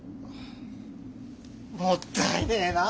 もったいねえなあ！